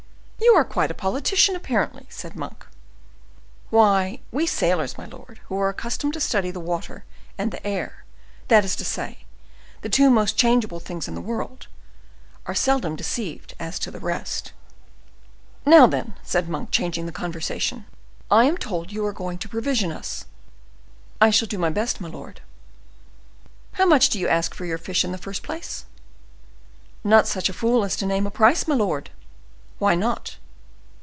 "You are quite a politician, apparently," said Monk. "Why, we sailors, my lord, who are accustomed to study the water and the air—that is to say, the two most changeable things in the world—are seldom deceived as to the rest." "Now, then," said Monk, changing the conversation, "I am told you are going to provision us." "I shall do my best, my lord." "How much do you ask for your fish in the first place?" "Not such a fool as to name a price, my lord." "Why not?"